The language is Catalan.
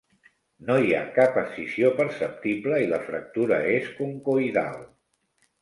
No hi ha cap escissió perceptible i la fractura és concoïdal.